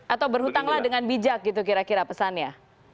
atau berhutanglah dengan bijak gitu kira kira pesannya